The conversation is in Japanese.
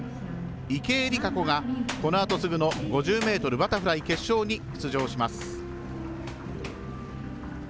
池江璃花子が、このあとすぐの５０ｍバタフライ決勝に出場します。